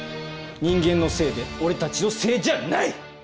人間のせいで俺たちのせいじゃない！